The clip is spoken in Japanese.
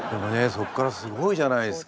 そっからすごいじゃないですか。